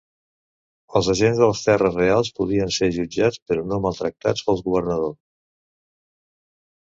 Els agents de les terres reals podien ser jutjats però no maltractats pel governador.